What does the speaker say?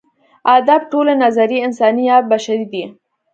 ادب ټولې نظریې انساني یا بشري دي.